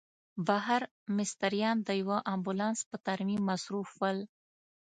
بهر مستریان د یوه امبولانس په ترمیم مصروف ول.